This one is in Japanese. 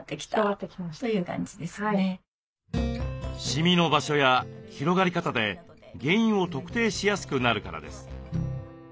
シミの場所や広がり方で原因を特定しやすくなるからです。